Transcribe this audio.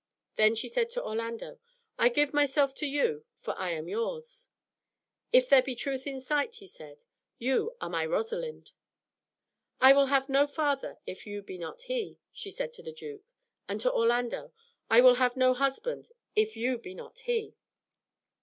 Then she said to Orlando, "I give myself to you, for I am yours." "If there be truth in sight," he said, "you are my Rosalind." "I will have no father if you be not he," she said to the duke, and to Orlando, "I will have no husband if you be not he."